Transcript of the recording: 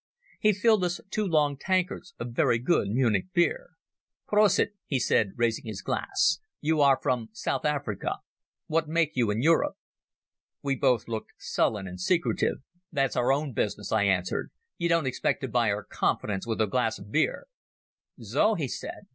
He filled us two long tankards of very good Munich beer. "Prosit," he said, raising his glass. "You are from South Africa. What make you in Europe?" We both looked sullen and secretive. "That's our own business," I answered. "You don't expect to buy our confidence with a glass of beer." "So?" he said.